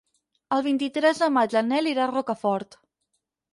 El vint-i-tres de maig en Nel irà a Rocafort.